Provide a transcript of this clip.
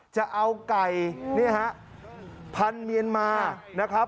จะเอาไก่พันเมียนมา